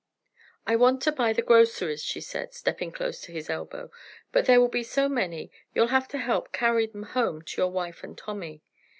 "I want to buy the groceries," she said, stepping close to his elbow, "but there will be so many, you'll have to help carry them home to your wife and Tommy."